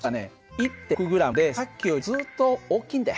１．６ｇでさっきよりもずっと大きいんだよ。